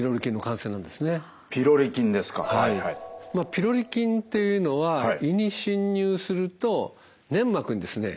ピロリ菌っていうのは胃に侵入すると粘膜にですね